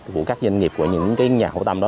của các doanh nghiệp của những nhà hậu tâm đó